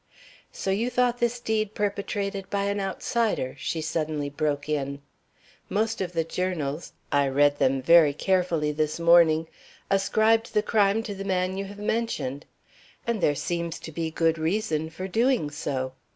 "So you thought this deed perpetrated by an outsider," she suddenly broke in. "Most of the journals I read them very carefully this morning ascribed the crime to the man you have mentioned. And there seems to be good reason for doing so.